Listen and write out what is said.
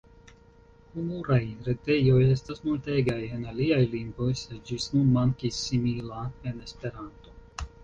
Humuraj retejoj estas multegaj en aliaj lingvoj, sed ĝis nun mankis simila en Esperanto.